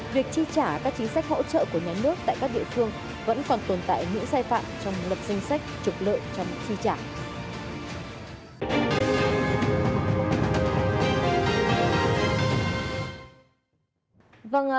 việc chi trả các chính sách hỗ trợ của nhà nước tại các địa phương vẫn còn tồn tại những sai phạm trong lập danh sách trục lợi trong chi trả